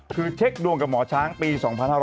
คือเช็คดวงกับหมอช้างปี๒๕๖๐